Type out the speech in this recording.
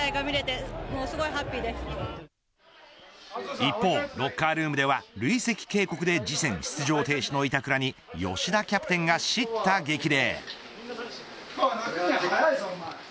一方、ロッカールームでは累積警告で次戦出場停止の板倉に吉田キャプテンが叱咤激励。